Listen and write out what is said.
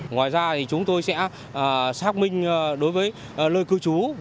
ngoài ra chúng tôi sẽ xác minh đối với lơi cư trú